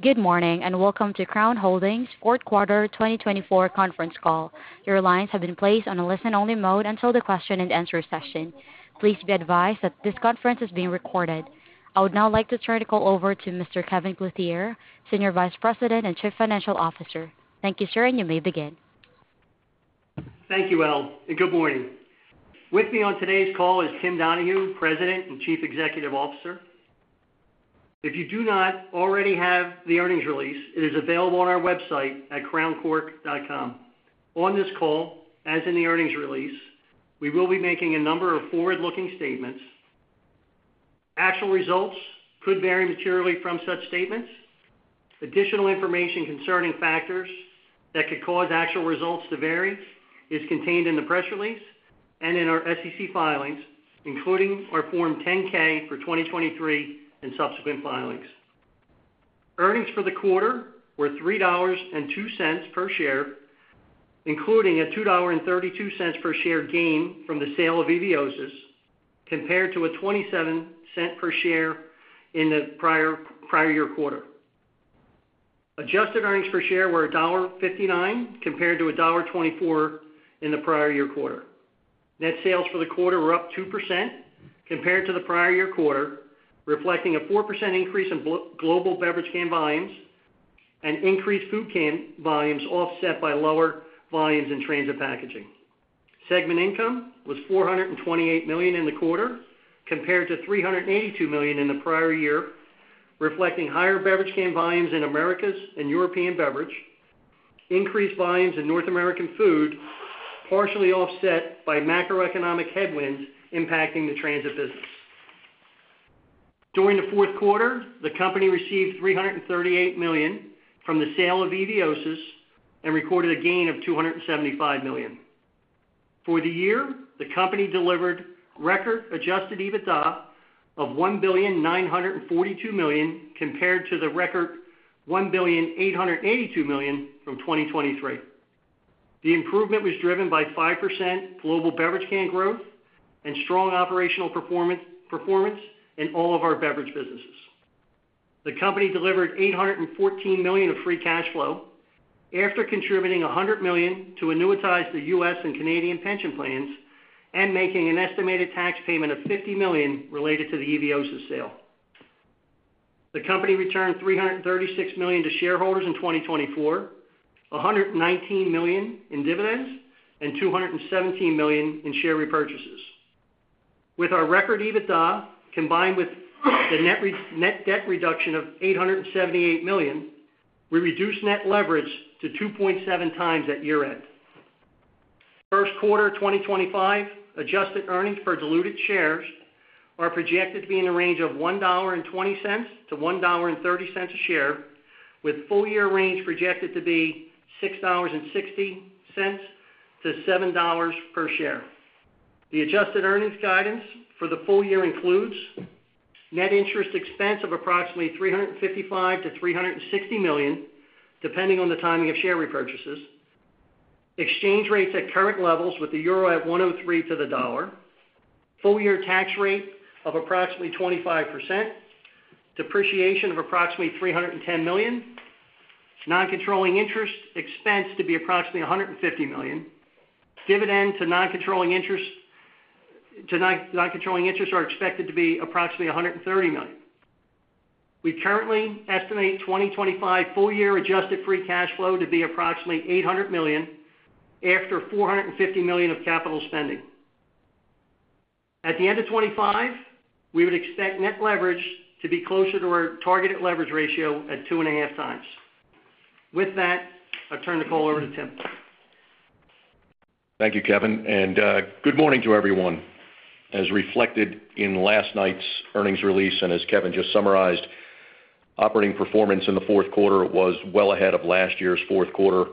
Good morning and Welcome to Crown Holdings, Q4 2024 Conference Call. Your lines have been placed on a listen-only mode until the question-and-answer session. Please be advised that this conference is being recorded. I would now like to turn the call over to Mr. Kevin Clothier, Senior Vice President and Chief Financial Officer. Thank you, sir, and you may begin. Thank you, Elle, and good morning. With me on today's call is Tim Donahue, President and Chief Executive Officer. If you do not already have the earnings release, it is available on our website at crownholdings.com. On this call, as in the earnings release, we will be making a number of forward-looking statements. Actual results could vary materially from such statements. Additional information concerning factors that could cause actual results to vary is contained in the press release and in our SEC filings, including our Form 10-K for 2023 and subsequent filings. Earnings for the quarter were $3.02 per share, including a $2.32 per share gain from the sale of Eviosys, compared to a $0.27 per share in the prior year quarter. Adjusted earnings per share were $1.59, compared to $1.24 in the prior year quarter. Net sales for the quarter were up 2% compared to the prior year quarter, reflecting a 4% increase in global beverage can volumes and increased food can volumes offset by lower volumes in Transit Packaging. Segment income was $428 million in the quarter, compared to $382 million in the prior year, reflecting higher beverage can volumes in Americas and European Beverage, increased volumes in North American Food, partially offset by macroeconomic headwinds impacting the transit business. During the Q4, the company received $338 million from the sale of Eviosys and recorded a gain of $275 million. For the year, the company delivered record adjusted EBITDA of $1.942 billion, compared to the record $1.882 billion from 2023. The improvement was driven by 5% global beverage can growth and strong operational performance in all of our beverage businesses. The company delivered $814 million of free cash flow after contributing $100 million to annuitize the U.S. and Canadian pension plans and making an estimated tax payment of $50 million related to the Eviosys sale. The company returned $336 million to shareholders in 2024, $119 million in dividends, and $217 million in share repurchases. With our record EBITDA, combined with the net debt reduction of $878 million, we reduced net leverage to 2.7x at year-end. Q1 2025 adjusted earnings per diluted shares are projected to be in the range of $1.20-$1.30 a share, with full-year range projected to be $6.60-$7.00 per share. The adjusted earnings guidance for the full year includes net interest expense of approximately $355 million-$360 million, depending on the timing of share repurchases, exchange rates at current levels with the euro at 103 to the dollar, full-year tax rate of approximately 25%, depreciation of approximately $310 million, non-controlling interest expense to be approximately $150 million, dividend to non-controlling interest are expected to be approximately $130 million. We currently estimate 2025 full-year adjusted free cash flow to be approximately $800 million after $450 million of capital spending. At the end of 2025, we would expect net leverage to be closer to our targeted leverage ratio at 2.5x. With that, I turn the call over to Tim. Thank you, Kevin, and good morning to everyone. As reflected in last night's earnings release and as Kevin just summarized, operating performance in the Q4 was well ahead of last year's Q4,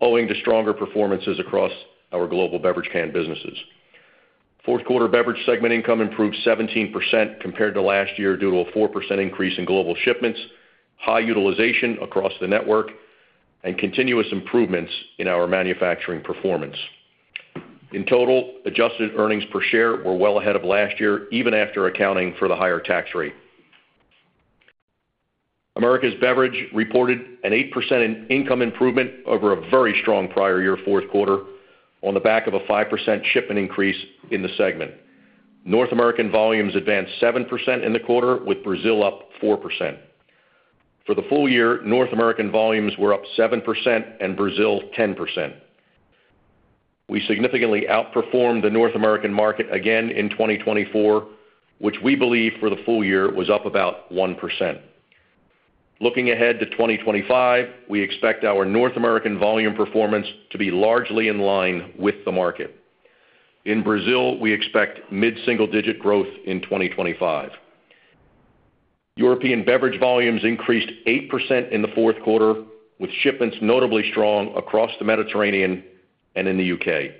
owing to stronger performances across our global beverage can businesses. Q4 beverage segment income improved 17% compared to last year due to a 4% increase in global shipments, high utilization across the network, and continuous improvements in our manufacturing performance. In total, adjusted earnings per share were well ahead of last year, even after accounting for the higher tax rate. Americas Beverage reported an 8% income improvement over a very strong prior year Q4 on the back of a 5% shipment increase in the segment. North American volumes advanced 7% in the quarter, with Brazil up 4%. For the full year, North American volumes were up 7% and Brazil 10%. We significantly outperformed the North American market again in 2024, which we believe for the full year was up about 1%. Looking ahead to 2025, we expect our North American volume performance to be largely in line with the market. In Brazil, we expect mid-single-digit growth in 2025. European Beverage volumes increased 8% in the Q4, with shipments notably strong across the Mediterranean and in the U.K.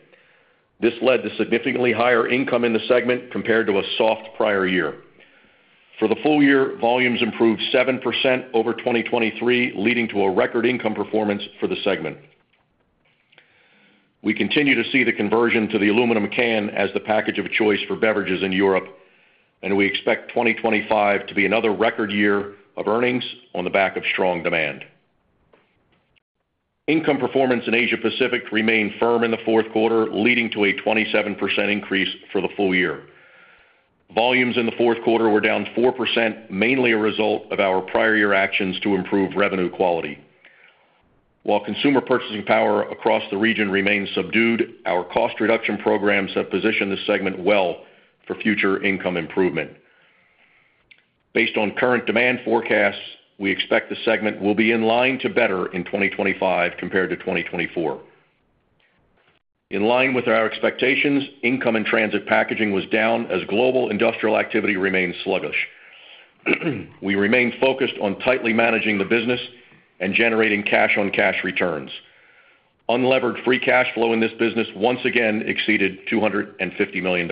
This led to significantly higher income in the segment compared to a soft prior year. For the full year, volumes improved 7% over 2023, leading to a record income performance for the segment. We continue to see the conversion to the aluminum can as the package of choice for beverages in Europe, and we expect 2025 to be another record year of earnings on the back of strong demand. Income performance in Asia-Pacific remained firm in the Q4, leading to a 27% increase for the full year. Volumes in the Q4 were down 4%, mainly a result of our prior year actions to improve revenue quality. While consumer purchasing power across the region remains subdued, our cost reduction programs have positioned the segment well for future income improvement. Based on current demand forecasts, we expect the segment will be in line to better in 2025 compared to 2024. In line with our expectations, income in Transit Packaging was down as global industrial activity remained sluggish. We remain focused on tightly managing the business and generating cash-on-cash returns. Unlevered free cash flow in this business once again exceeded $250 million.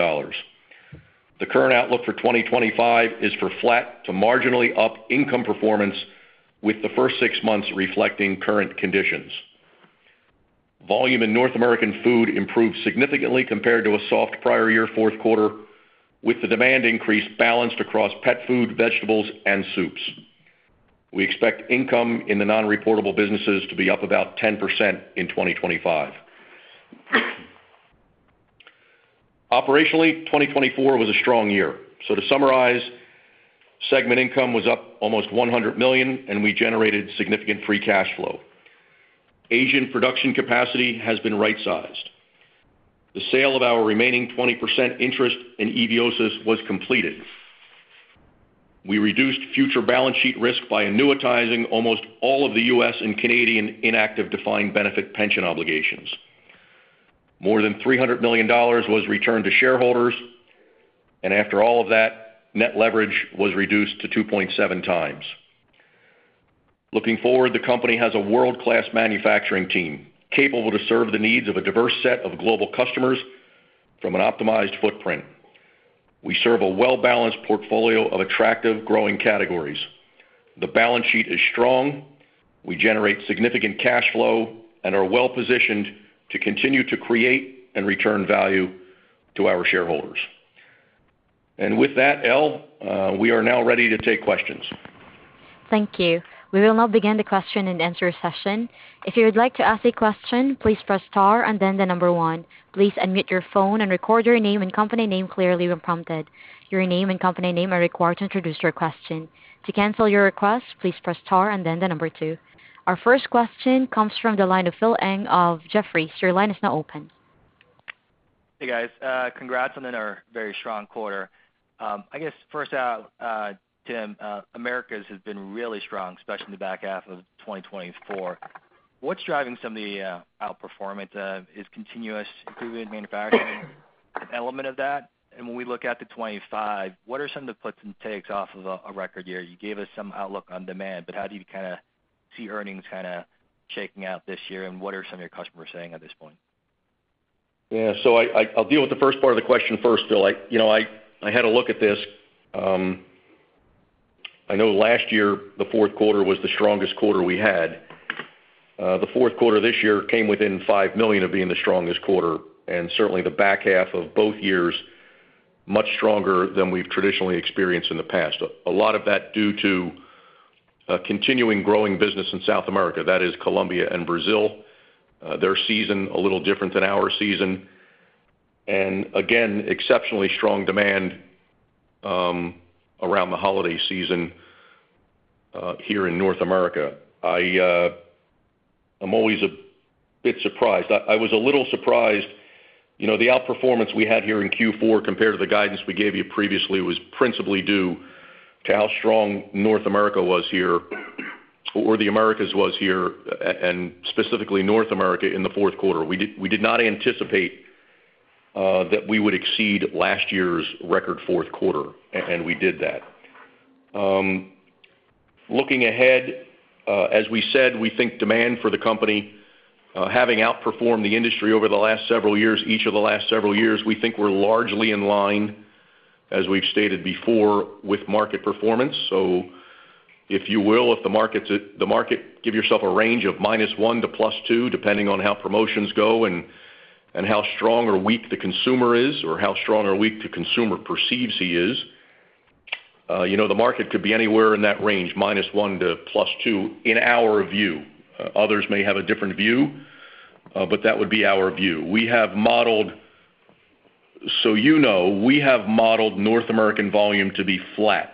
The current outlook for 2025 is for flat to marginally up income performance, with the first six months reflecting current conditions. Volume in North American Food improved significantly compared to a soft prior year Q4, with the demand increase balanced across pet food, vegetables, and soups. We expect income in the non-reportable businesses to be up about 10% in 2025. Operationally, 2024 was a strong year. So to summarize, segment income was up almost $100 million, and we generated significant free cash flow. Asian production capacity has been right-sized. The sale of our remaining 20% interest in Eviosys was completed. We reduced future balance sheet risk by annuitizing almost all of the U.S. and Canadian inactive defined benefit pension obligations. More than $300 million was returned to shareholders, and after all of that, net leverage was reduced to 2.7x. Looking forward, the company has a world-class manufacturing team capable to serve the needs of a diverse set of global customers from an optimized footprint. We serve a well-balanced portfolio of attractive growing categories. The balance sheet is strong, we generate significant cash flow, and are well-positioned to continue to create and return value to our shareholders. And with that, Elle, we are now ready to take questions. Thank you. We will now begin the question and answer session. If you would like to ask a question, please press star and then the number one. Please unmute your phone and record your name and company name clearly when prompted. Your name and company name are required to introduce your question. To cancel your request, please press star and then the number two. Our first question comes from the line of Phil Ng of Jefferies. Your line is now open. Hey, guys. Congrats on another very strong quarter. I guess first, Tim, Americas has been really strong, especially in the back half of 2024. What's driving some of the outperformance? Is continuous improvement in manufacturing an element of that? And when we look at the 2025, what are some of the puts and takes off of a record year? You gave us some outlook on demand, but how do you kind of see earnings kind of shaking out this year, and what are some of your customers saying at this point? Yeah, so I'll deal with the first part of the question first, Phil. I had a look at this. I know last year, the Q4 was the strongest quarter we had. The Q4 this year came within $5 million of being the strongest quarter, and certainly the back half of both years much stronger than we've traditionally experienced in the past. A lot of that due to continuing growing business in South America, that is Colombia and Brazil. Their season a little different than our season. And again, exceptionally strong demand around the holiday season here in North America. I'm always a bit surprised. I was a little surprised. The outperformance we had here in Q4 compared to the guidance we gave you previously was principally due to how strong North America was here or the Americas was here, and specifically North America in the Q4. We did not anticipate that we would exceed last year's record Q4, and we did that. Looking ahead, as we said, we think demand for the company, having outperformed the industry over the last several years, each of the last several years, we think we're largely in line, as we've stated before, with market performance. So if you will, if the market gives yourself a range of -1% to +2%, depending on how promotions go and how strong or weak the consumer is, or how strong or weak the consumer perceives he is, the market could be anywhere in that range, -1% to +2%, in our view. Others may have a different view, but that would be our view. So you know, we have modeled North American volume to be flat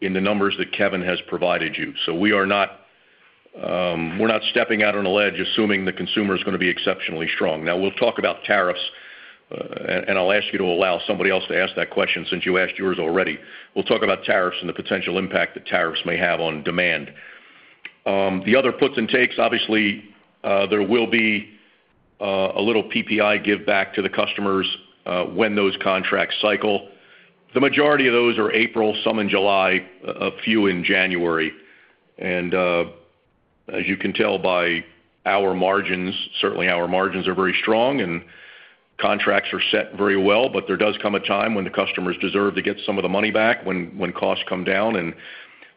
in the numbers that Kevin has provided you. So we're not stepping out on a ledge assuming the consumer is going to be exceptionally strong. Now, we'll talk about tariffs, and I'll ask you to allow somebody else to ask that question since you asked yours already. We'll talk about tariffs and the potential impact that tariffs may have on demand. The other puts and takes, obviously, there will be a little PPI give back to the customers when those contracts cycle. The majority of those are April, some in July, a few in January. And as you can tell by our margins, certainly our margins are very strong and contracts are set very well, but there does come a time when the customers deserve to get some of the money back when costs come down. And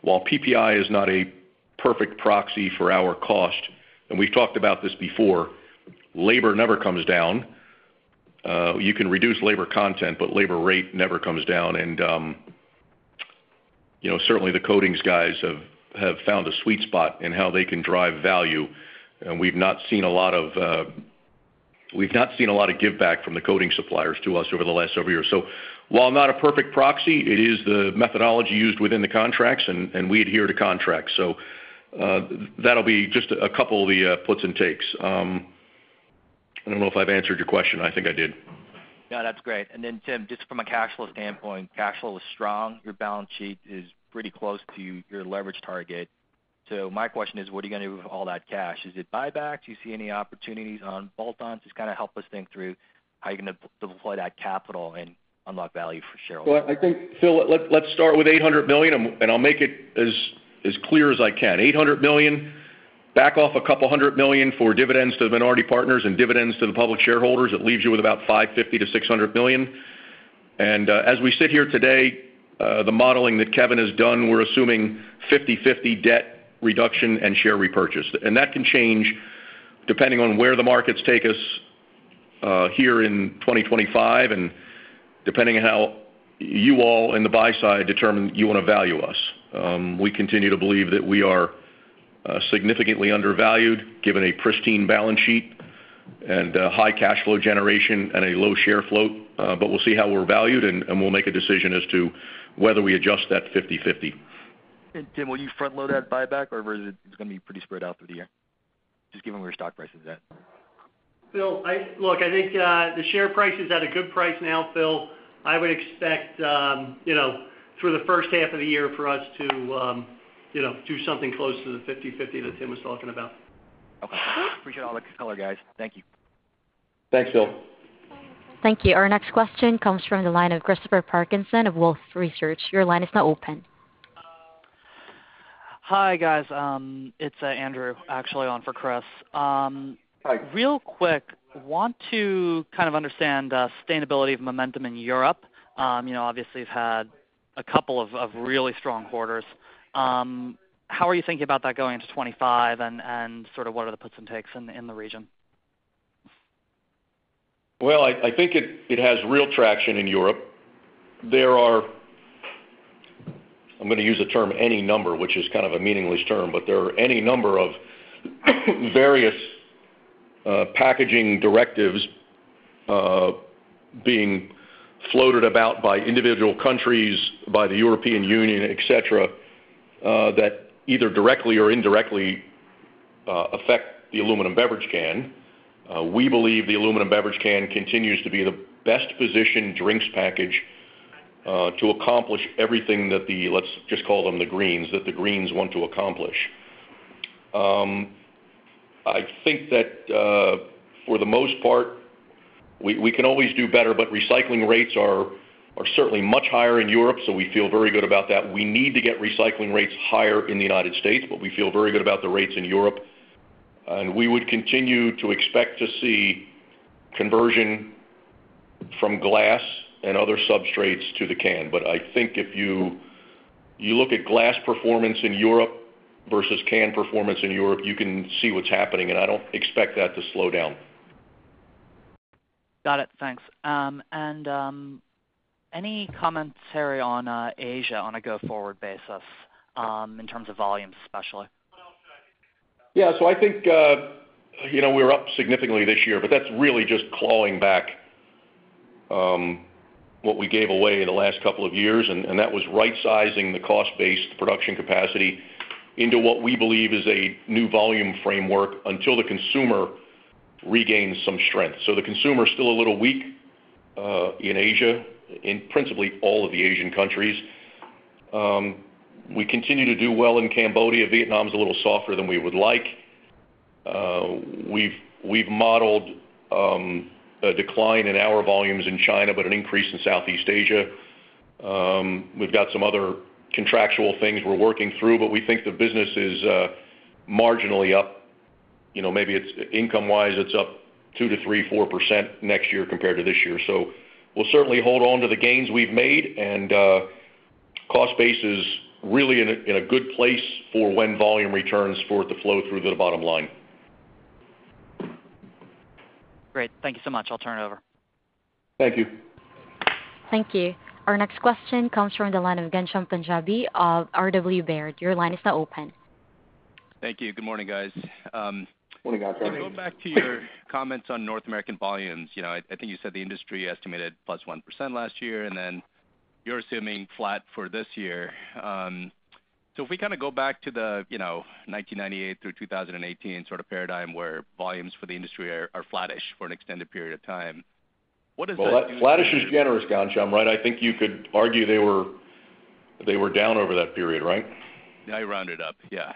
while PPI is not a perfect proxy for our cost, and we've talked about this before, labor never comes down. You can reduce labor content, but labor rate never comes down. And certainly, the coatings guys have found a sweet spot in how they can drive value. And we've not seen a lot of give back from the coating suppliers to us over the last several years. So while not a perfect proxy, it is the methodology used within the contracts, and we adhere to contracts. So that'll be just a couple of the puts and takes. I don't know if I've answered your question. I think I did. Yeah, that's great. And then, Tim, just from a cash flow standpoint, cash flow was strong. Your balance sheet is pretty close to your leverage target. So my question is, what are you going to do with all that cash? Is it buyback? Do you see any opportunities on bolt-ons? Just kind of help us think through how you're going to deploy that capital and unlock value for shareholders. I think, Phil, let's start with $800 million, and I'll make it as clear as I can. $800 million, back off $200 million for dividends to the minority partners and dividends to the public shareholders. It leaves you with about $550-$600 million. And as we sit here today, the modeling that Kevin has done, we're assuming 50/50 debt reduction and share repurchase. And that can change depending on where the markets take us here in 2025 and depending on how you all and the buy side determine you want to value us. We continue to believe that we are significantly undervalued given a pristine balance sheet and high cash flow generation and a low share float. But we'll see how we're valued, and we'll make a decision as to whether we adjust that 50/50. Tim, will you front-load that buyback, or is it going to be pretty spread out through the year? Just given where stock price is at. Phil, look, I think the share price is at a good price now, Phil. I would expect through the first half of the year for us to do something close to the 50/50 that Tim was talking about. Okay. Appreciate all the color, guys. Thank you. Thanks, Phil. Thank you. Our next question comes from the line of Christopher Parkinson of Wolfe Research. Your line is now open. Hi, guys. It's Andrew, actually on for Chris. Real quick, want to kind of understand sustainability of momentum in Europe. Obviously, you've had a couple of really strong quarters. How are you thinking about that going into 2025, and sort of what are the puts and takes in the region? I think it has real traction in Europe. There are, I'm going to use the term any number, which is kind of a meaningless term, but there are any number of various packaging directives being floated about by individual countries, by the European Union, et cetera, that either directly or indirectly affect the aluminum beverage can. We believe the aluminum beverage can continues to be the best positioned drinks package to accomplish everything that the, let's just call them the Greens, that the Greens want to accomplish. I think that for the most part, we can always do better, but recycling rates are certainly much higher in Europe, so we feel very good about that. We need to get recycling rates higher in the United States, but we feel very good about the rates in Europe. And we would continue to expect to see conversion from glass and other substrates to the can. But I think if you look at glass performance in Europe versus can performance in Europe, you can see what's happening, and I don't expect that to slow down. Got it. Thanks. And any commentary on Asia on a go-forward basis in terms of volumes, especially? Yeah. So I think we're up significantly this year, but that's really just clawing back what we gave away in the last couple of years, and that was right-sizing the cost-based production capacity into what we believe is a new volume framework until the consumer regains some strength. So the consumer is still a little weak in Asia, in principally all of the Asian countries. We continue to do well in Cambodia. Vietnam is a little softer than we would like. We've modeled a decline in our volumes in China, but an increase in Southeast Asia. We've got some other contractual things we're working through, but we think the business is marginally up. Maybe it's income-wise, it's up 2% to 3%-4% next year compared to this year. So we'll certainly hold on to the gains we've made, and cost base is really in a good place for when volume returns for it to flow through to the bottom line. Great. Thank you so much. I'll turn it over. Thank you. Thank you. Our next question comes from the line of Ghansham Panjabi of R.W. Baird. Your line is now open. Thank you. Good morning, guys. Going back to your comments on North American volumes, I think you said the industry estimated +1% last year, and then you're assuming flat for this year. If we kind of go back to the 1998 through 2018 sort of paradigm where volumes for the industry are flattish for an extended period of time, what does that mean? That flattish is generous, Ghansham, right? I think you could argue they were down over that period, right? Yeah, I rounded up. Yeah.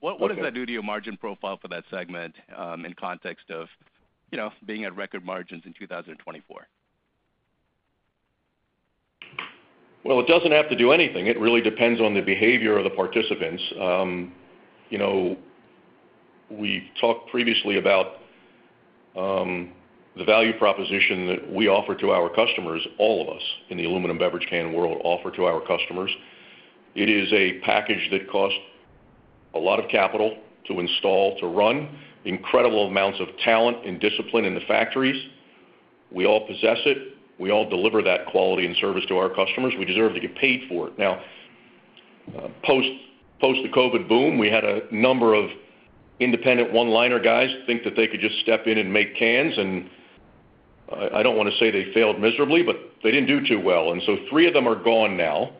What does that do to your margin profile for that segment in context of being at record margins in 2024? It doesn't have to do anything. It really depends on the behavior of the participants. We've talked previously about the value proposition that we offer to our customers, all of us in the aluminum beverage can world offer to our customers. It is a package that costs a lot of capital to install, to run, incredible amounts of talent and discipline in the factories. We all possess it. We all deliver that quality and service to our customers. We deserve to get paid for it. Now, post the COVID boom, we had a number of independent one-liner guys think that they could just step in and make cans, and I don't want to say they failed miserably, but they didn't do too well, and so three of them are gone now.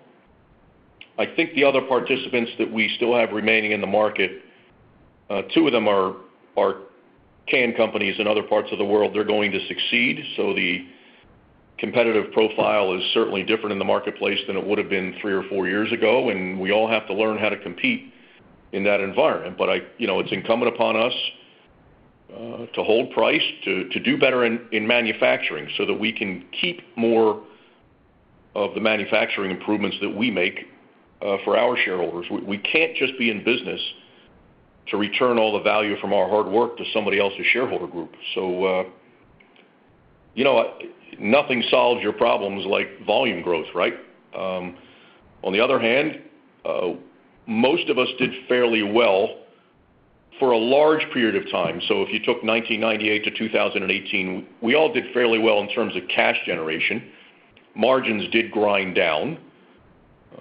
I think the other participants that we still have remaining in the market, two of them are can companies in other parts of the world. They're going to succeed. The competitive profile is certainly different in the marketplace than it would have been three or four years ago, and we all have to learn how to compete in that environment. But it's incumbent upon us to hold price, to do better in manufacturing so that we can keep more of the manufacturing improvements that we make for our shareholders. We can't just be in business to return all the value from our hard work to somebody else's shareholder group. Nothing solves your problems like volume growth, right? On the other hand, most of us did fairly well for a large period of time. So if you took 1998-2018, we all did fairly well in terms of cash generation. Margins did grind down,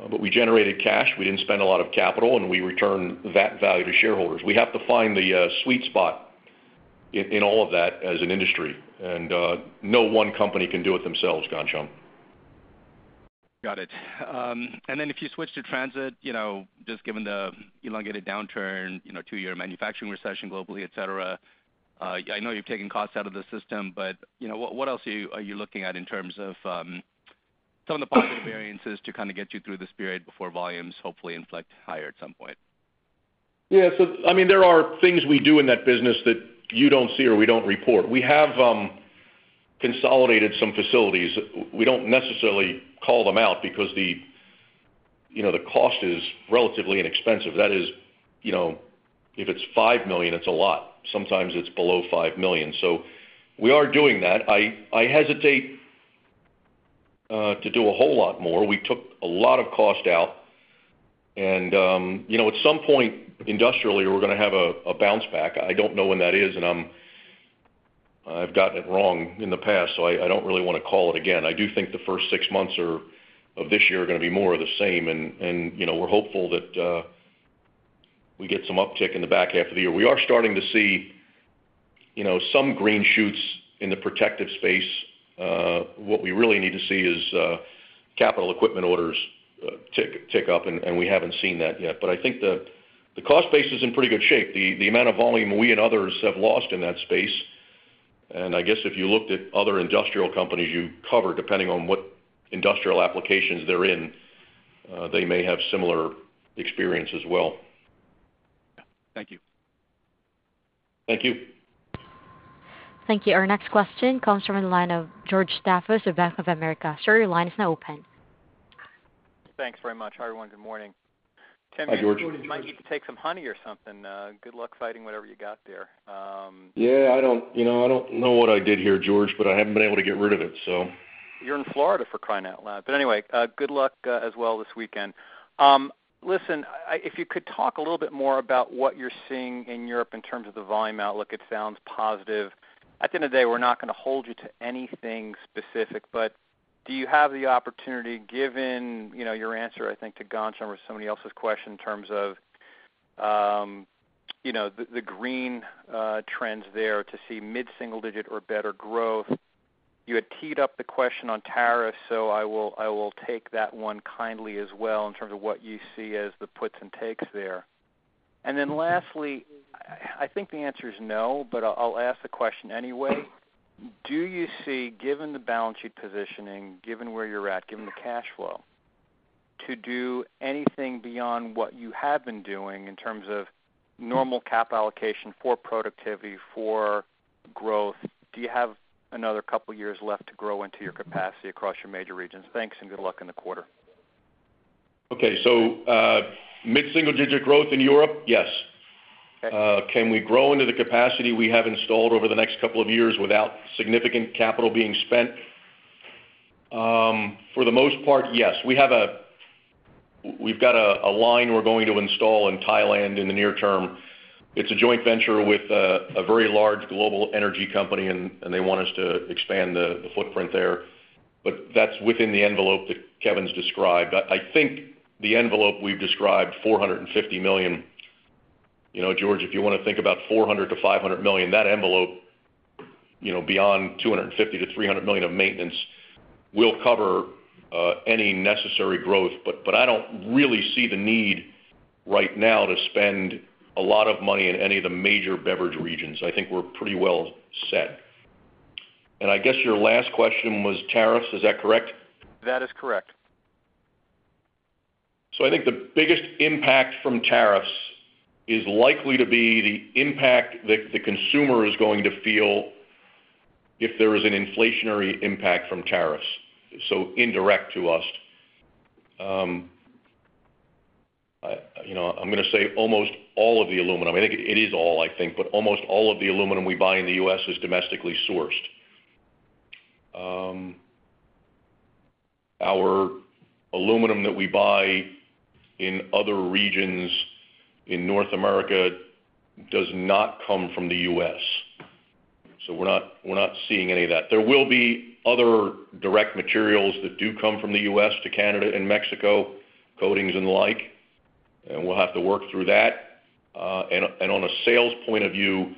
but we generated cash. We didn't spend a lot of capital, and we returned that value to shareholders. We have to find the sweet spot in all of that as an industry, and no one company can do it themselves, Ghansham. Got it. And then if you switch to transit, just given the elongated downturn, two-year manufacturing recession globally, et cetera, I know you've taken costs out of the system, but what else are you looking at in terms of some of the positive variances to kind of get you through this period before volumes hopefully inflect higher at some point? Yeah. So I mean, there are things we do in that business that you don't see or we don't report. We have consolidated some facilities. We don't necessarily call them out because the cost is relatively inexpensive. That is, if it's $5 million, it's a lot. Sometimes it's below $5 million. So we are doing that. I hesitate to do a whole lot more. We took a lot of cost out, and at some point industrially, we're going to have a bounce back. I don't know when that is, and I've gotten it wrong in the past, so I don't really want to call it again. I do think the first six months of this year are going to be more of the same, and we're hopeful that we get some uptick in the back half of the year. We are starting to see some green shoots in the protective space. What we really need to see is capital equipment orders tick up, and we haven't seen that yet. But I think the cost base is in pretty good shape. The amount of volume we and others have lost in that space, and I guess if you looked at other industrial companies you cover, depending on what industrial applications they're in, they may have similar experience as well. Thank you. Thank you. Thank you. Our next question comes from the line of George Staphos of Bank of America. Sir, your line is now open. Thanks very much. Hi, everyone. Good morning. Tim, you might need to take some honey or something. Good luck fighting whatever you got there. Yeah. I don't know what I did here, George, but I haven't been able to get rid of it, so. You're in Florida for crying out loud. But anyway, good luck as well this weekend. Listen, if you could talk a little bit more about what you're seeing in Europe in terms of the volume outlook, it sounds positive. At the end of the day, we're not going to hold you to anything specific, but do you have the opportunity, given your answer, I think, to Ghansham or somebody else's question in terms of the green trends there to see mid-single digit or better growth? You had teed up the question on tariffs, so I will take that one kindly as well in terms of what you see as the puts and takes there. And then lastly, I think the answer is no, but I'll ask the question anyway. Do you see, given the balance sheet positioning, given where you're at, given the cash flow, to do anything beyond what you have been doing in terms of normal cap allocation for productivity, for growth? Do you have another couple of years left to grow into your capacity across your major regions? Thanks, and good luck in the quarter. Okay. So mid-single digit growth in Europe, yes. Can we grow into the capacity we have installed over the next couple of years without significant capital being spent? For the most part, yes. We've got a line we're going to install in Thailand in the near term. It's a joint venture with a very large global energy company, and they want us to expand the footprint there. But that's within the envelope that Kevin's described. I think the envelope we've described, $450 million, George, if you want to think about $400 million-$500 million, that envelope beyond $250 million-$300 million of maintenance will cover any necessary growth. But I don't really see the need right now to spend a lot of money in any of the major beverage regions. I think we're pretty well set. And I guess your last question was tariffs. Is that correct? That is correct. So I think the biggest impact from tariffs is likely to be the impact that the consumer is going to feel if there is an inflationary impact from tariffs, so indirect to us. I'm going to say almost all of the aluminum. I think it is all, I think, but almost all of the aluminum we buy in the U.S. is domestically sourced. Our aluminum that we buy in other regions in North America does not come from the U.S. So we're not seeing any of that. There will be other direct materials that do come from the U.S. to Canada and Mexico, coatings and the like, and we'll have to work through that. And on a sales point of view,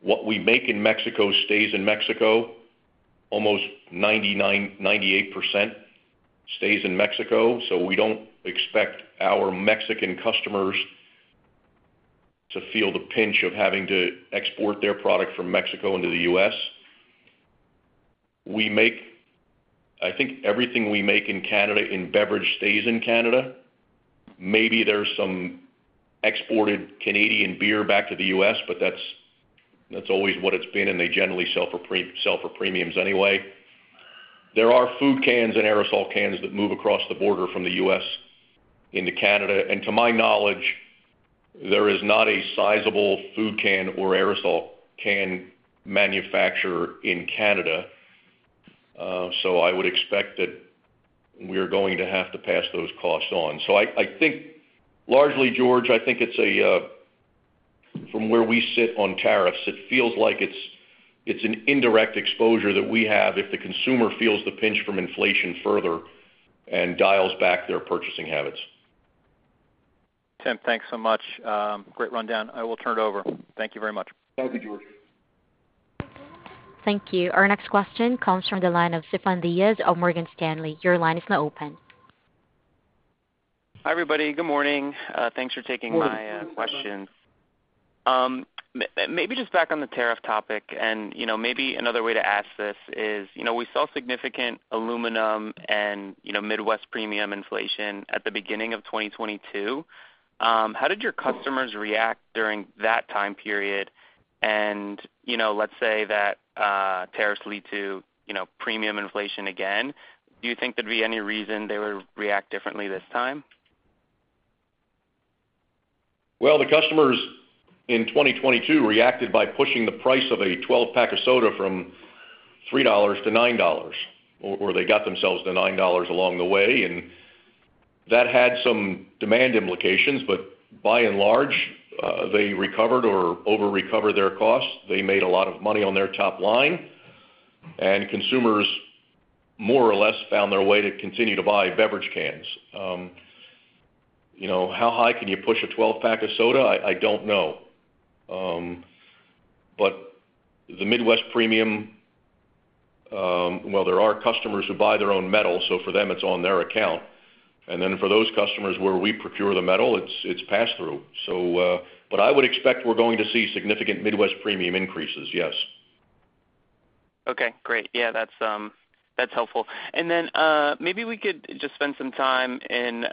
what we make in Mexico stays in Mexico. Almost 99%, 98% stays in Mexico, so we don't expect our Mexican customers to feel the pinch of having to export their product from Mexico into the U.S. I think everything we make in Canada in beverage stays in Canada. Maybe there's some exported Canadian beer back to the U.S., but that's always what it's been, and they generally sell for premiums anyway. There are food cans and aerosol cans that move across the border from the U.S. into Canada, and to my knowledge, there is not a sizable food can or aerosol can manufacturer in Canada, so I would expect that we are going to have to pass those costs on. So I think largely, George, I think it's from where we sit on tariffs, it feels like it's an indirect exposure that we have if the consumer feels the pinch from inflation further and dials back their purchasing habits. Tim, thanks so much. Great rundown. I will turn it over. Thank you very much. Thank you, George. Thank you. Our next question comes from the line of Stefan Diaz of Morgan Stanley. Your line is now open. Hi, everybody. Good morning. Thanks for taking my questions. Maybe just back on the tariff topic, and maybe another way to ask this is we saw significant aluminum and Midwest Premium inflation at the beginning of 2022. How did your customers react during that time period? And let's say that tariffs lead to premium inflation again, do you think there'd be any reason they would react differently this time? The customers in 2022 reacted by pushing the price of a 12-pack of soda from $3-$9, or they got themselves to $9 along the way. That had some demand implications, but by and large, they recovered or over-recovered their costs. They made a lot of money on their top line, and consumers more or less found their way to continue to buy beverage cans. How high can you push a 12-pack of soda? I don't know. The Midwest Premium. There are customers who buy their own metal, so for them, it's on their account. Then for those customers where we procure the metal, it's passed through. I would expect we're going to see significant Midwest Premium increases, yes. Okay. Great. Yeah, that's helpful. And then maybe we could just spend some time in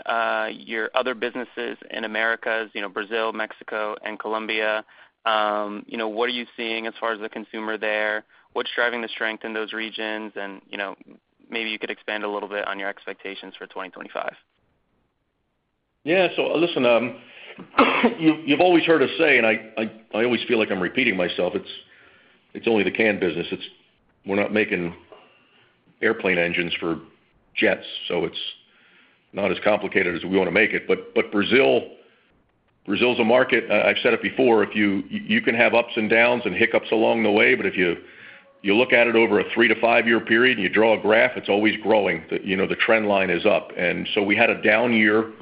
your other businesses in America, Brazil, Mexico, and Colombia. What are you seeing as far as the consumer there? What's driving the strength in those regions? And maybe you could expand a little bit on your expectations for 2025. Yeah. So listen, you've always heard us say, and I always feel like I'm repeating myself, it's only the can business. We're not making airplane engines for jets, so it's not as complicated as we want to make it. But Brazil's a market, I've said it before, you can have ups and downs and hiccups along the way, but if you look at it over a three to five-year period and you draw a graph, it's always growing. The trend line is up. And so we had a down year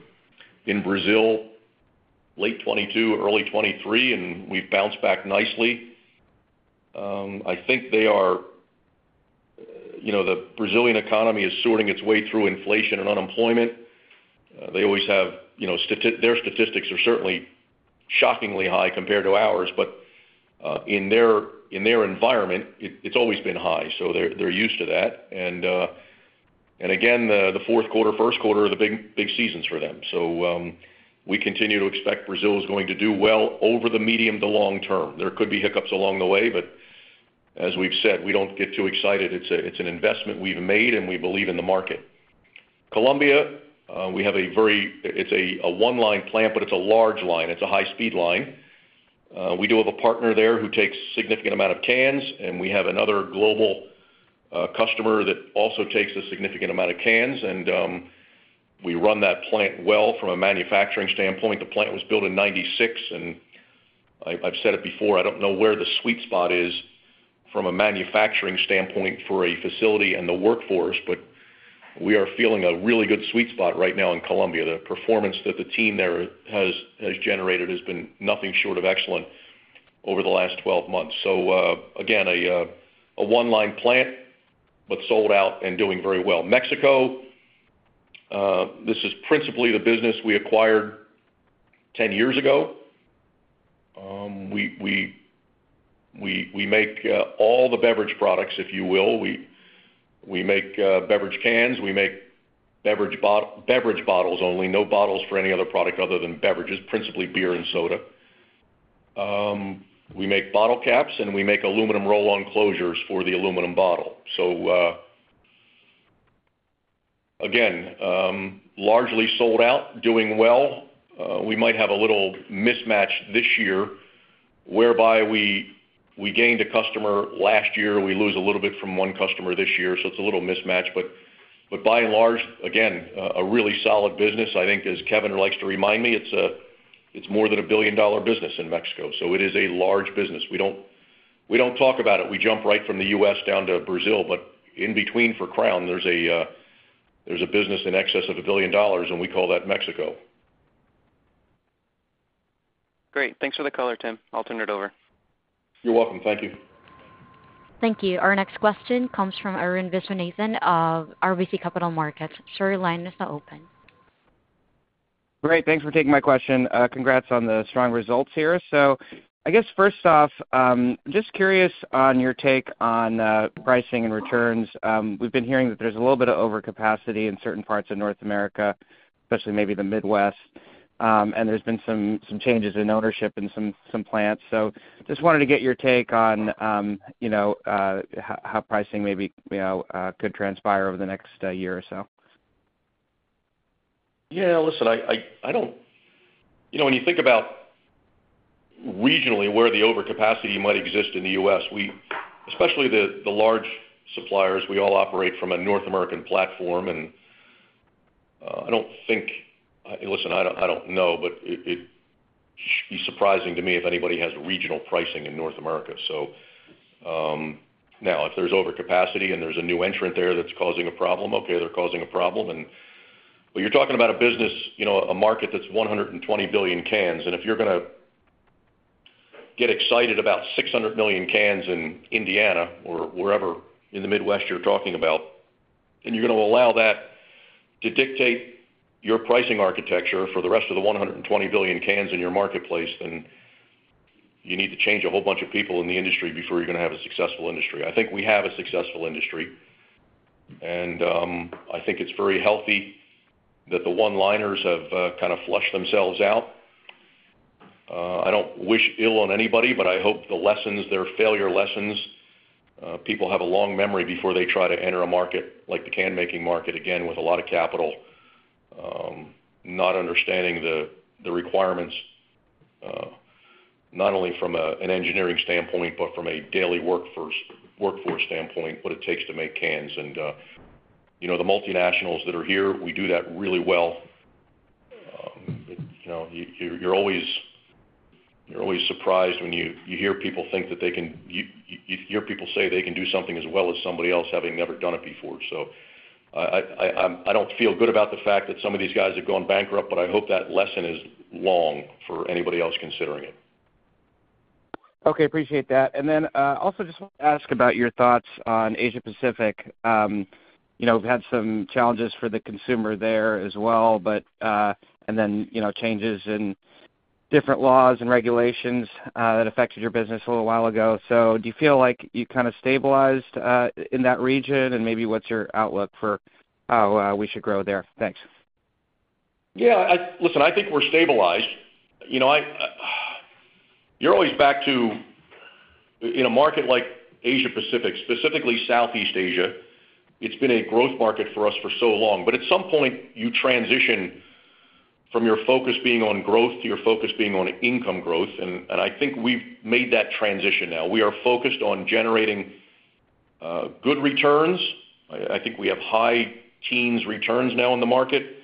in Brazil late 2022, early 2023, and we've bounced back nicely. I think they are the Brazilian economy is sorting its way through inflation and unemployment. They always have their statistics are certainly shockingly high compared to ours, but in their environment, it's always been high, so they're used to that. And again, the Q4, Q1 are the big seasons for them. So we continue to expect Brazil is going to do well over the medium to long term. There could be hiccups along the way, but as we've said, we don't get too excited. It's an investment we've made, and we believe in the market. Colombia, it's a one-line plant, but it's a large line. It's a high-speed line. We do have a partner there who takes a significant amount of cans, and we have another global customer that also takes a significant amount of cans, and we run that plant well from a manufacturing standpoint. The plant was built in 1996, and I've said it before, I don't know where the sweet spot is from a manufacturing standpoint for a facility and the workforce, but we are feeling a really good sweet spot right now in Colombia. The performance that the team there has generated has been nothing short of excellent over the last 12 months. So again, a one-line plant but sold out and doing very well. Mexico, this is principally the business we acquired 10 years ago. We make all the beverage products, if you will. We make beverage cans. We make beverage bottles only, no bottles for any other product other than beverages, principally beer and soda. We make bottle caps, and we make aluminum roll-on closures for the aluminum bottle. So again, largely sold out, doing well. We might have a little mismatch this year whereby we gained a customer last year. We lose a little bit from one customer this year, so it's a little mismatch. But by and large, again, a really solid business. I think, as Kevin likes to remind me, it's more than a billion-dollar business in Mexico, so it is a large business. We don't talk about it. We jump right from the U.S. down to Brazil, but in between for Crown, there's a business in excess of a billion dollars, and we call that Mexico. Great. Thanks for the color, Tim. I'll turn it over. You're welcome. Thank you. Thank you. Our next question comes from Arun Viswanathan of RBC Capital Markets. Sir, your line is now open. Great. Thanks for taking my question. Congrats on the strong results here. So I guess first off, I'm just curious on your take on pricing and returns. We've been hearing that there's a little bit of overcapacity in certain parts of North America, especially maybe the Midwest, and there's been some changes in ownership in some plants. So just wanted to get your take on how pricing maybe could transpire over the next year or so. Yeah. Listen, I don't know when you think about regionally where the overcapacity might exist in the U.S., especially the large suppliers, we all operate from a North American platform, and I don't think, listen, I don't know, but it shouldn't be surprising to me if anybody has regional pricing in North America. So now, if there's overcapacity and there's a new entrant there that's causing a problem, okay, they're causing a problem. But you're talking about a business, a market that's 120 billion cans, and if you're going to get excited about 600 million cans in Indiana or wherever in the Midwest you're talking about, and you're going to allow that to dictate your pricing architecture for the rest of the 120 billion cans in your marketplace, then you need to change a whole bunch of people in the industry before you're going to have a successful industry. I think we have a successful industry, and I think it's very healthy that the one-liners have kind of flushed themselves out. I don't wish ill on anybody, but I hope the lessons, their failure lessons, people have a long memory before they try to enter a market like the canmaking market again with a lot of capital, not understanding the requirements, not only from an engineering standpoint but from a daily workforce standpoint, what it takes to make cans. And the multinationals that are here, we do that really well. You're always surprised when you hear people say they can do something as well as somebody else having never done it before. I don't feel good about the fact that some of these guys have gone bankrupt, but I hope that lesson is long for anybody else considering it. Okay. Appreciate that. And then also just want to ask about your thoughts on Asia-Pacific. We've had some challenges for the consumer there as well, and then changes in different laws and regulations that affected your business a little while ago. So do you feel like you kind of stabilized in that region, and maybe what's your outlook for how we should grow there? Thanks. Yeah. Listen, I think we're stabilized. You're always back to in a market like Asia-Pacific, specifically Southeast Asia, it's been a growth market for us for so long. But at some point, you transition from your focus being on growth to your focus being on income growth, and I think we've made that transition now. We are focused on generating good returns. I think we have high teens returns now in the market.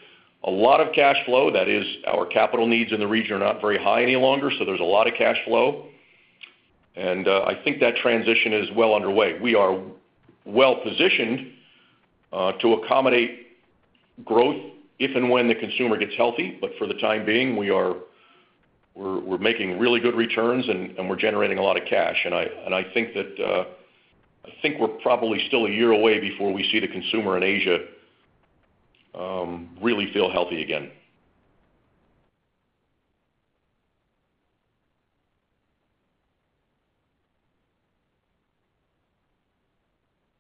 A lot of cash flow. That is, our capital needs in the region are not very high any longer, so there's a lot of cash flow. And I think that transition is well underway. We are well positioned to accommodate growth if and when the consumer gets healthy, but for the time being, we're making really good returns and we're generating a lot of cash. I think we're probably still a year away before we see the consumer in Asia really feel healthy again.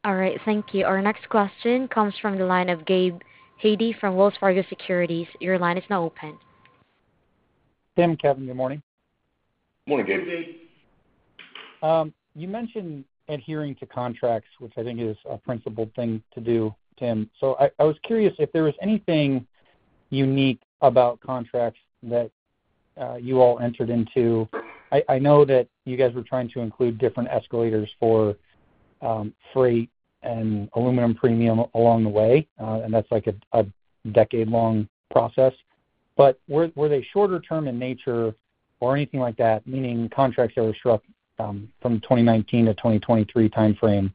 All right. Thank you. Our next question comes from the line of Gabe Hajde from Wells Fargo Securities. Your line is now open. Tim, Kevin, good morning. Good morning, Gabe. You mentioned adhering to contracts, which I think is a principal thing to do, Tim, so I was curious if there was anything unique about contracts that you all entered into. I know that you guys were trying to include different escalators for freight and aluminum premium along the way, and that's like a decade-long process, but were they shorter-term in nature or anything like that, meaning contracts that were struck from 2019 to 2023 timeframe,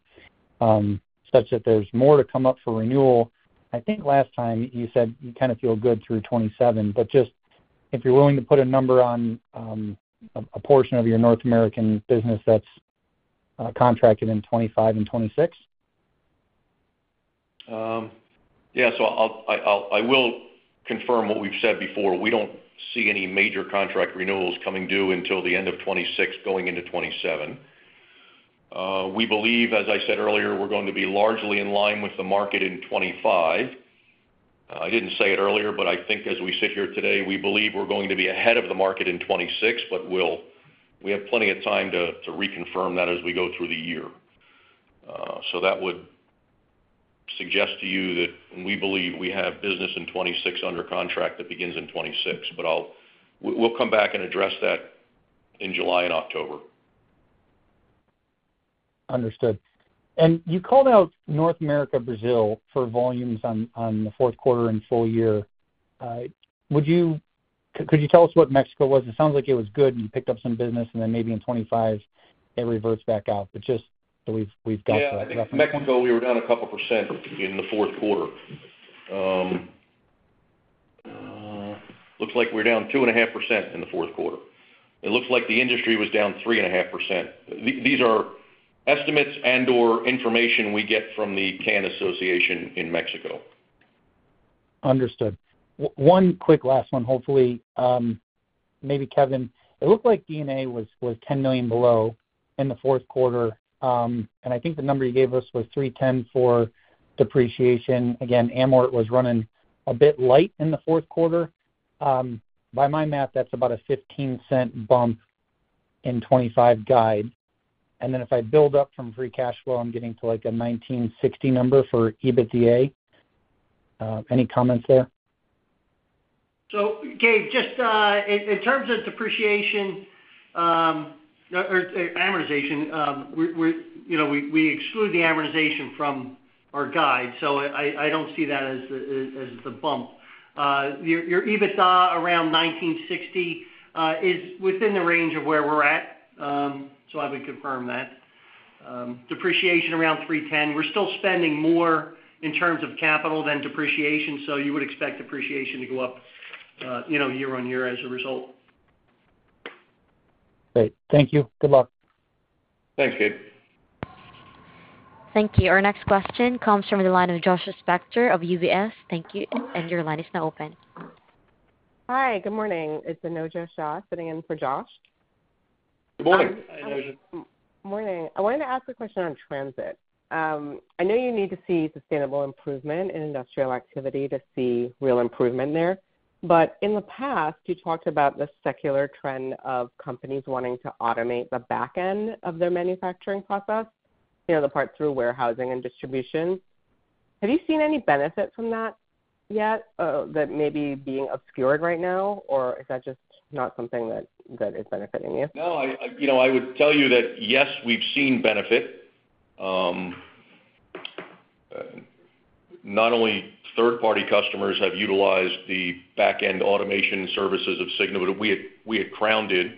such that there's more to come up for renewal? I think last time you said you kind of feel good through 2027, but just if you're willing to put a number on a portion of your North American business that's contracted in 2025 and 2026. Yeah. So I will confirm what we've said before. We don't see any major contract renewals coming due until the end of 2026 going into 2027. We believe, as I said earlier, we're going to be largely in line with the market in 2025. I didn't say it earlier, but I think as we sit here today, we believe we're going to be ahead of the market in 2026, but we have plenty of time to reconfirm that as we go through the year. So that would suggest to you that we believe we have business in 2026 under contract that begins in 2026, but we'll come back and address that in July and October. Understood. And you called out North America, Brazil for volumes on the Q4 and full year. Could you tell us what Mexico was? It sounds like it was good, and you picked up some business, and then maybe in 2025 it reverts back out, but just so we've got that roughly. Yeah. In Mexico, we were down a couple% in the Q4. Looks like we're down 2.5% in the Q4. It looks like the industry was down 3.5%. These are estimates and/or information we get from the Can Association in Mexico. Understood. One quick last one, hopefully. Maybe Kevin, it looked like D&A was $10 million below in the Q4, and I think the number you gave us was $310 million for depreciation. Again, amort was running a bit light in the Q4. By my math, that's about a $0.15 bump in 2025 guide. And then if I build up from free cash flow, I'm getting to like a $1.96 billion number for EBITDA. Any comments there? So Gabe, just in terms of depreciation or amortization, we exclude the amortization from our guide, so I don't see that as the bump. Your EBITDA around 19.60 is within the range of where we're at, so I would confirm that. Depreciation around $310 million. We're still spending more in terms of capital than depreciation, so you would expect depreciation to go up year-on-year as a result. Great. Thank you. Good luck. Thanks, Gabe. Thank you. Our next question comes from the line of Joshua Spector of UBS. Thank you. And your line is now open. Hi. Good morning. It's Anojja Shah sitting in for Josh. Good morning. Hi, Anojja. Morning. I wanted to ask a question on transit. I know you need to see sustainable improvement in industrial activity to see real improvement there, but in the past, you talked about the secular trend of companies wanting to automate the backend of their manufacturing process, the part through warehousing and distribution. Have you seen any benefit from that yet that may be being obscured right now, or is that just not something that is benefiting you? No. I would tell you that, yes, we've seen benefit. Not only third-party customers have utilized the backend automation services of Signode, but we had crowned it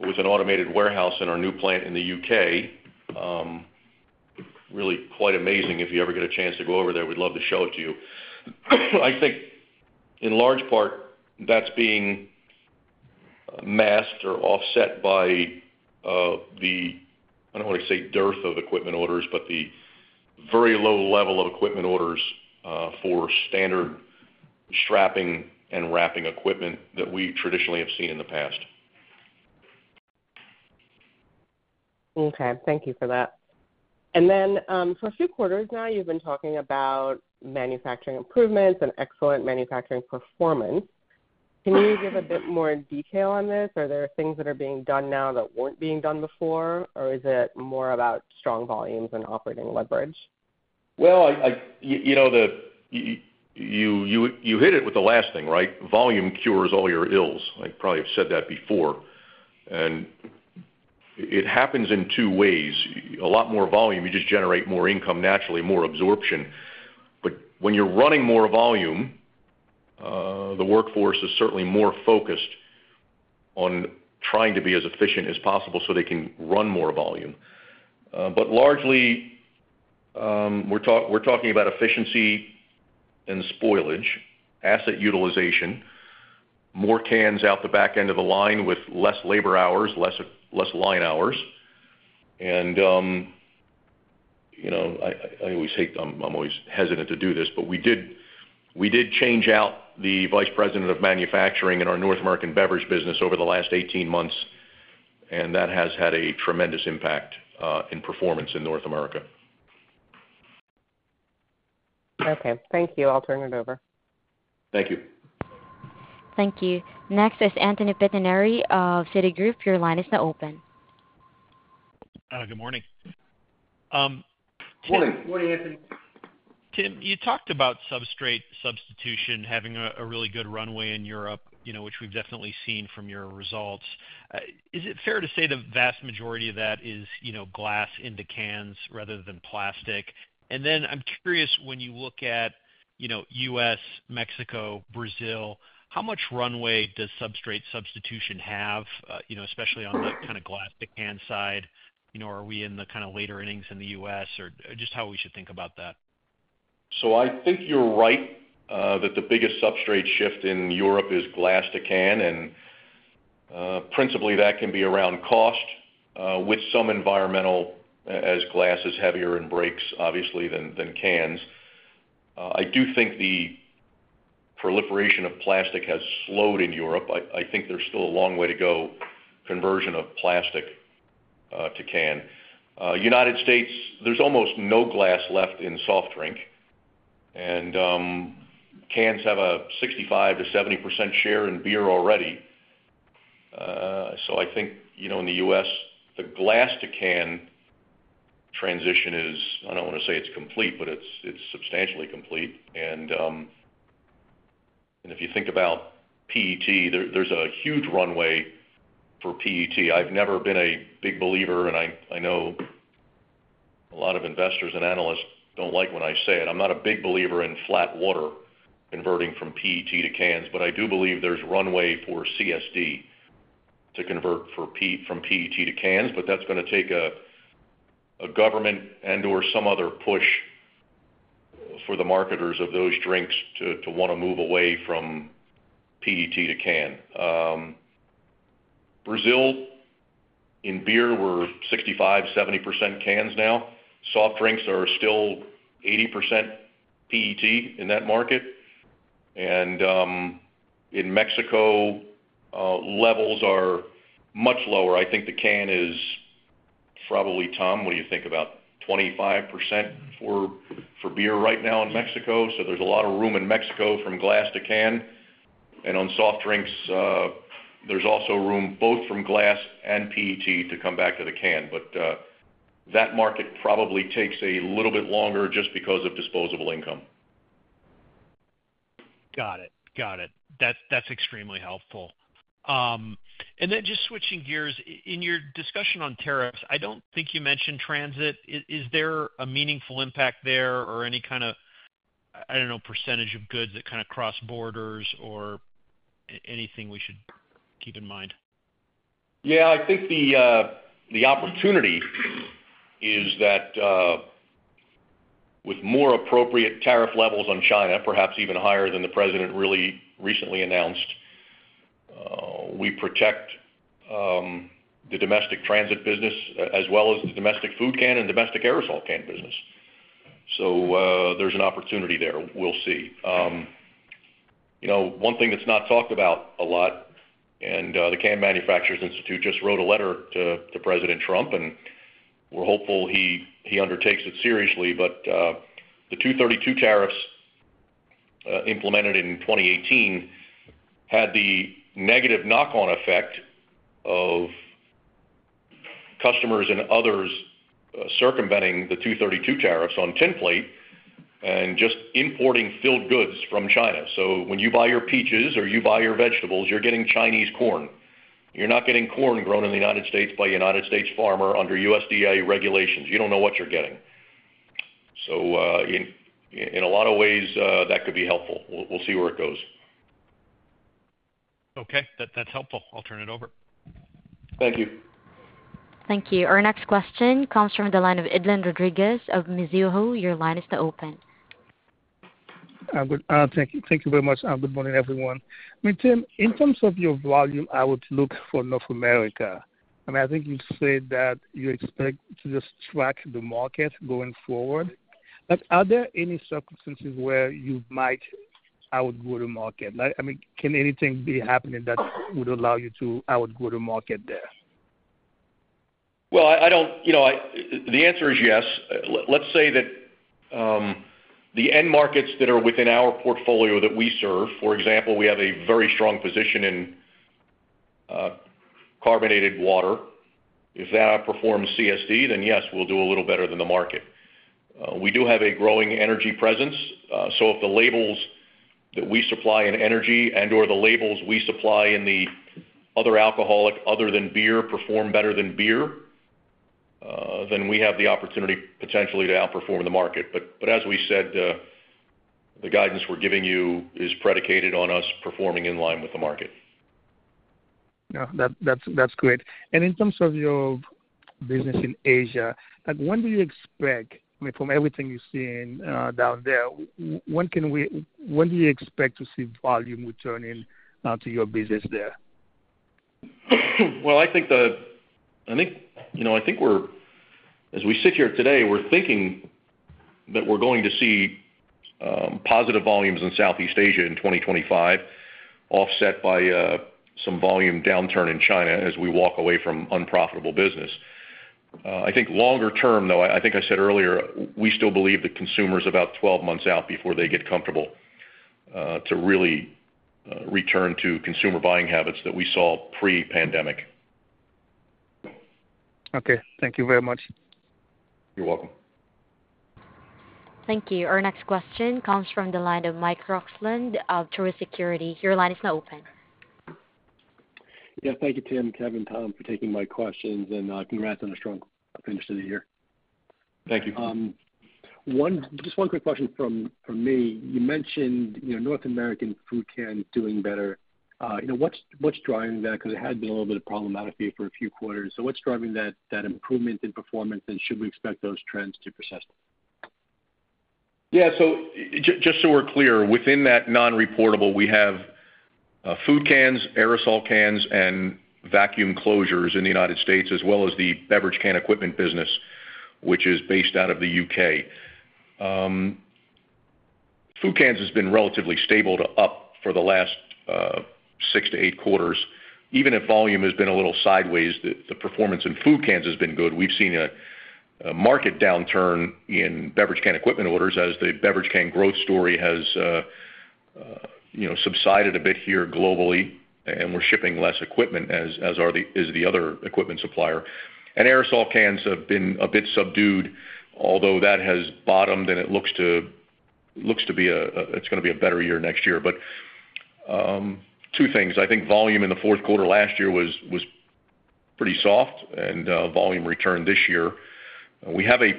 with an automated warehouse in our new plant in the U.K. Really quite amazing. If you ever get a chance to go over there, we'd love to show it to you. I think in large part, that's being masked or offset by the, I don't want to say dearth of equipment orders, but the very low level of equipment orders for standard strapping and wrapping equipment that we traditionally have seen in the past. Okay. Thank you for that. And then for a few quarters now, you've been talking about manufacturing improvements and excellent manufacturing performance. Can you give a bit more detail on this? Are there things that are being done now that weren't being done before, or is it more about strong volumes and operating leverage? You hit it with the last thing, right? Volume cures all your ills. I probably have said that before. And it happens in two ways. A lot more volume, you just generate more income naturally, more absorption. But when you're running more volume, the workforce is certainly more focused on trying to be as efficient as possible so they can run more volume. But largely, we're talking about efficiency and spoilage, asset utilization, more cans out the back end of the line with less labor hours, less line hours. And I always hate. I'm always hesitant to do this, but we did change out the vice president of manufacturing in our North American beverage business over the last 18 months, and that has had a tremendous impact in performance in North America. Okay. Thank you. I'll turn it over. Thank you. Thank you. Next is Anthony Pettinari of Citigroup. Your line is now open. Good morning. Morning, Anthony. Tim, you talked about substrate substitution having a really good runway in Europe, which we've definitely seen from your results. Is it fair to say the vast majority of that is glass into cans rather than plastic? And then I'm curious, when you look at U.S., Mexico, Brazil, how much runway does substrate substitution have, especially on the kind of glass-to-can side? Are we in the kind of later innings in the U.S., or just how we should think about that? So I think you're right that the biggest substrate shift in Europe is glass-to-can, and principally, that can be around cost with some environmental factors, as glass is heavier and breaks, obviously, than cans. I do think the proliferation of plastic has slowed in Europe. I think there's still a long way to go conversion of plastic to can. United States, there's almost no glass left in soft drink, and cans have a 65%-70% share in beer already. So I think in the U.S., the glass-to-can transition is. I don't want to say it's complete, but it's substantially complete. And if you think about PET, there's a huge runway for PET. I've never been a big believer, and I know a lot of investors and analysts don't like when I say it. I'm not a big believer in flat water converting from PET to cans, but I do believe there's runway for CSD to convert from PET to cans, but that's going to take a government and/or some other push for the marketers of those drinks to want to move away from PET to can. Brazil, in beer, we're 65%-70% cans now. Soft drinks are still 80% PET in that market. And in Mexico, levels are much lower. I think the can is probably (Tom, what do you think?) about 25% for beer right now in Mexico. So there's a lot of room in Mexico from glass-to-can. And on soft drinks, there's also room both from glass and PET to come back to the can. But that market probably takes a little bit longer just because of disposable income. Got it. Got it. That's extremely helpful, and then just switching gears, in your discussion on tariffs, I don't think you mentioned transit. Is there a meaningful impact there or any kind of, I don't know, percentage of goods that kind of cross borders or anything we should keep in mind? Yeah. I think the opportunity is that with more appropriate tariff levels on China, perhaps even higher than the president really recently announced, we protect the domestic transit business as well as the domestic food can and domestic aerosol can business. So there's an opportunity there. We'll see. One thing that's not talked about a lot, and the Can Manufacturers Institute just wrote a letter to President Trump, and we're hopeful he undertakes it seriously. But the 232 tariffs implemented in 2018 had the negative knock-on effect of customers and others circumventing the 232 tariffs on tinplate and just importing filled goods from China. So when you buy your peaches or you buy your vegetables, you're getting Chinese corn. You're not getting corn grown in the United States by a United States farmer under USDA regulations. You don't know what you're getting. So in a lot of ways, that could be helpful. We'll see where it goes. Okay. That's helpful. I'll turn it over. Thank you. Thank you. Our next question comes from the line of Edlain Rodriguez of Mizuho. Your line is now open. Thank you very much. Good morning, everyone. I mean, Tim, in terms of your volume, I would look for North America. I mean, I think you said that you expect to just track the market going forward. Are there any circumstances where you might outgrow the market? I mean, can anything be happening that would allow you to outgrow the market there? I don't. The answer is yes. Let's say that the end markets that are within our portfolio that we serve, for example, we have a very strong position in carbonated water. If that outperforms CSD, then yes, we'll do a little better than the market. We do have a growing energy presence. So if the labels that we supply in energy and/or the labels we supply in the other alcoholic other than beer perform better than beer, then we have the opportunity potentially to outperform the market. But as we said, the guidance we're giving you is predicated on us performing in line with the market. Yeah. That's great. And in terms of your business in Asia, when do you expect, I mean, from everything you've seen down there, when do you expect to see volume returning to your business there? I think, as we sit here today, we're thinking that we're going to see positive volumes in Southeast Asia in 2025, offset by some volume downturn in China as we walk away from unprofitable business. I think longer term, though, I think I said earlier, we still believe that consumers are about 12 months out before they get comfortable to really return to consumer buying habits that we saw pre-pandemic. Okay. Thank you very much. You're welcome. Thank you. Our next question comes from the line of Michael Roxland of Truist Securities. Your line is now open. Yeah. Thank you, Tim, Kevin, Tom, for taking my questions, and congrats on a strong finish to the year. Thank you. Just one quick question from me. You mentioned North American food cans doing better. What's driving that? Because it had been a little bit problematic here for a few quarters. So what's driving that improvement in performance, and should we expect those trends to persist? Yeah. So just so we're clear, within that non-reportable, we have food cans, aerosol cans, and vacuum closures in the United States, as well as the beverage can equipment business, which is based out of the U.K. Food cans have been relatively stable to up for the last six to eight quarters. Even if volume has been a little sideways, the performance in food cans has been good. We've seen a market downturn in beverage can equipment orders as the beverage can growth story has subsided a bit here globally, and we're shipping less equipment, as is the other equipment supplier. And aerosol cans have been a bit subdued, although that has bottomed, and it looks to be it's going to be a better year next year. But two things, I think volume in the Q4 last year was pretty soft, and volume returned this year. We have a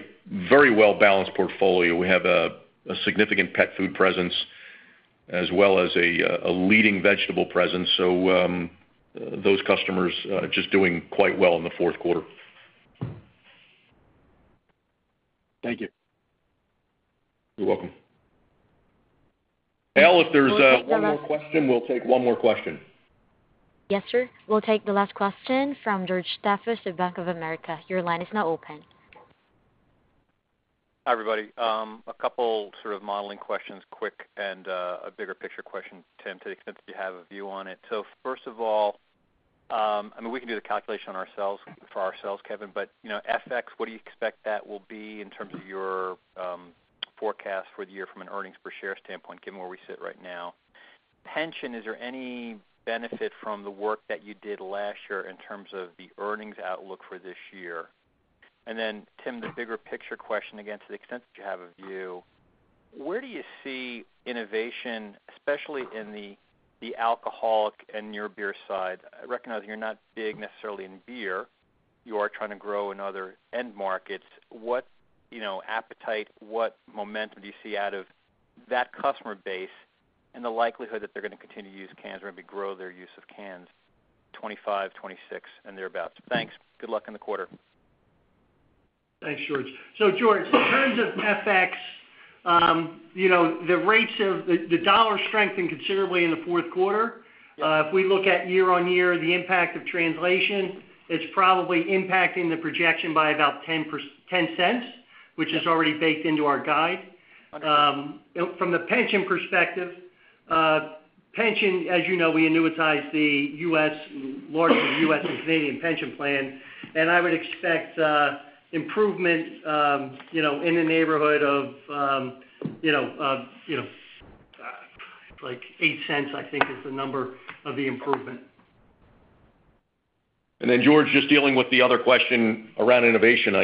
very well-balanced portfolio. We have a significant pet food presence as well as a leading vegetable presence. So those customers are just doing quite well in the Q4. Thank you. You're welcome. Elle, if there's one more question, we'll take one more question. Yes, sir. We'll take the last question from George Staphos of Bank of America. Your line is now open. Hi, everybody. A couple sort of modeling questions, quick, and a bigger picture question, Tim, to the extent that you have a view on it. So first of all, I mean, we can do the calculation for ourselves, Kevin, but FX, what do you expect that will be in terms of your forecast for the year from an earnings per share standpoint, given where we sit right now? Pension, is there any benefit from the work that you did last year in terms of the earnings outlook for this year? And then, Tim, the bigger picture question again, to the extent that you have a view, where do you see innovation, especially in the alcoholic and your beer side? Recognizing you're not big necessarily in beer, you are trying to grow in other end markets. What appetite, what momentum do you see out of that customer base and the likelihood that they're going to continue to use cans or maybe grow their use of cans 2025, 2026, and thereabouts? Thanks. Good luck in the quarter. Thanks, George. So, George, in terms of FX, the dollar strengthened considerably in the Q4. If we look at year-on-year, the impact of translation, it's probably impacting the projection by about $0.10, which is already baked into our guide. From the pension perspective, pension, as you know, we annuitize the U.S., largely the U.S. and Canadian pension plan, and I would expect improvement in the neighborhood of like $0.08, I think, is the number of the improvement. Then George, just dealing with the other question around innovation,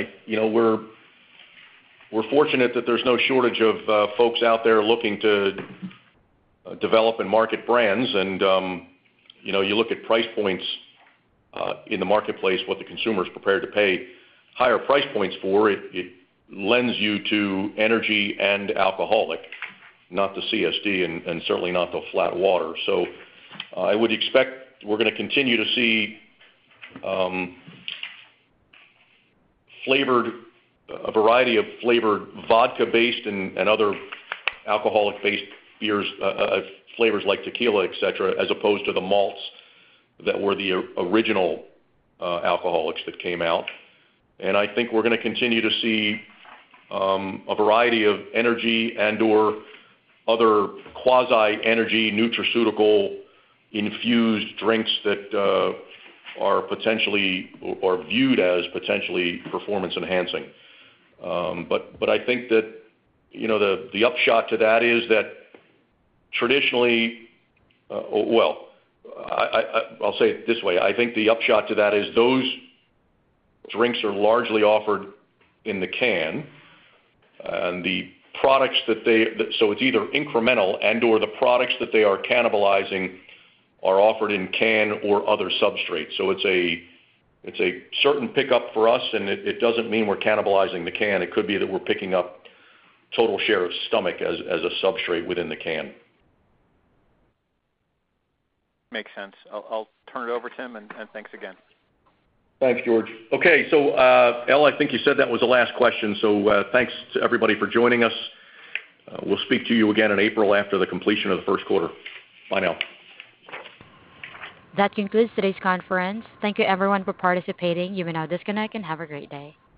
we're fortunate that there's no shortage of folks out there looking to develop and market brands. You look at price points in the marketplace, what the consumer is prepared to pay higher price points for. It lends you to energy and alcoholic, not the CSD and certainly not the flat water. I would expect we're going to continue to see a variety of flavored vodka-based and other alcoholic-based beers, flavors like tequila, et cetera, as opposed to the malts that were the original alcoholics that came out. I think we're going to continue to see a variety of energy and/or other quasi-energy nutraceutical-infused drinks that are viewed as potentially performance-enhancing. But I think that the upshot to that is that traditionally, well, I'll say it this way, I think the upshot to that is those drinks are largely offered in the can, and the products that they, so it's either incremental and/or the products that they are cannibalizing are offered in can or other substrate. So it's a certain pickup for us, and it doesn't mean we're cannibalizing the can. It could be that we're picking up total share of stomach as a substrate within the can. Makes sense. I'll turn it over to him and thanks again. Thanks, George. Okay. So Elle, I think you said that was the last question. So thanks to everybody for joining us. We'll speak to you again in April after the completion of the Q1. Bye now. That concludes today's conference. Thank you, everyone, for participating. You may now disconnect and have a great day.